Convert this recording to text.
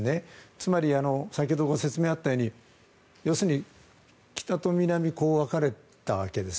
つまり先ほどご説明があったように要するに、北と南に分かれたわけです。